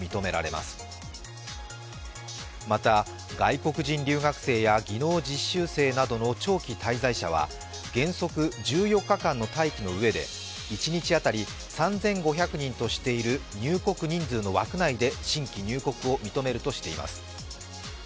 また、外国人留学医や技能実習生などの長期滞在者は原則１４日間の待機のうえで一日当たり３５００人としている入国人数の枠内で新規入国を認めるとしています。